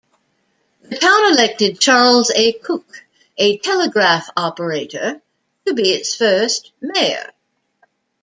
The town elected Charles A. Cook, a telegraph operator, to be its first mayor.